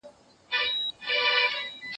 جواب ورکول د زده کوونکي له خوا کېږي؟!